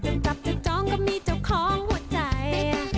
จับจะจองก็มีเจ้าของหัวใจ